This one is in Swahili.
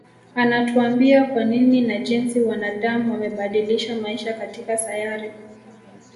Anatuambia kwa nini na jinsi wanadam wamebadilisha maisha katika sayari